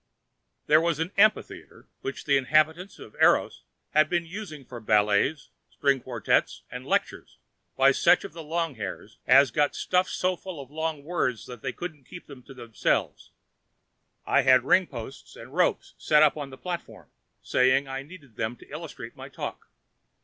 There was an amphitheater which the inhabitants of Eros had been using for ballets, string quartets and lectures by such of the longhairs as got stuffed so full of long words that they couldn't keep them to themselves. I had ringposts and ropes set up on the platform, saying I needed them to illustrate my talk.